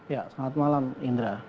ya selamat malam indra